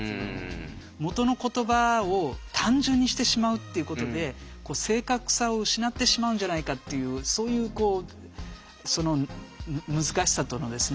元の言葉を単純にしてしまうということで正確さを失ってしまうんじゃないかっていうそういうこうその難しさとのですね